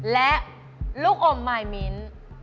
และลูกอมมายมิ้น